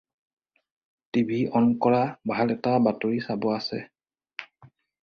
TV on কৰা, ভাল এটা বাতৰি চাব আছে।